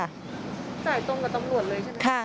จ่ายตรงกับตำรวจเลยใช่ไหมคะ